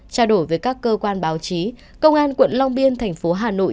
trao đổi với các cơ quan báo chí công an quận long biên thành phố hà nội